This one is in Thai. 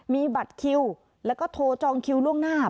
มีบัตรคิวแล้วก็โทรจองคิวล่วงหน้า